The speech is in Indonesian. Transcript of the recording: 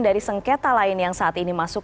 dari sengketa lain yang saat ini masuk